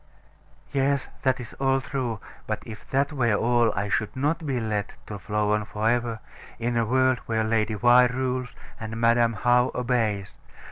'" Yes. That is all true: but if that were all, I should not be let to flow on for ever, in a world where Lady Why rules, and Madam How obeys.